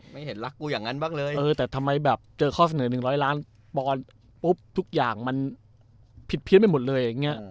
ไม่เห็นรักกูอย่างนั้นบ้างเลยเออแต่ทำไมแบบเจอข้อเสนอ๑๐๐ล้านปอนปุ๊บทุกอย่างมันผิดเพี้ยนไปหมดเลยอย่างนี้